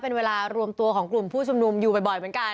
เป็นเวลารวมตัวของกลุ่มผู้ชุมนุมอยู่บ่อยเหมือนกัน